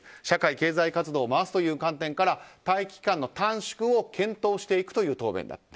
社会経済活動を回すという観点から待機期間の短縮を検討していくという答弁。